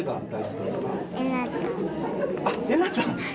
あっえなちゃん！